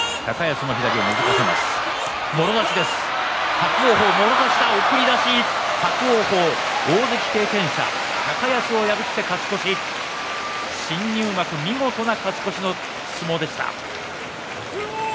伯桜鵬、もろ差した送り出し大関経験者高安を破って勝ち越し新入幕、見事な勝ち越し。